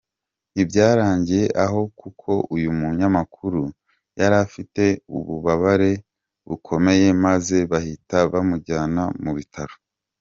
Ntibyarangiriye aho, kuko uyu munyamakuru yari afite ububabare bukomeye, maze bahita bamujyana mu Bitaro.